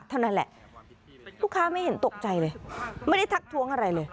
เท่านั้นแหละลูกค้าไม่เห็นตกใจเลยไม่ได้ทักท้วงอะไรเลย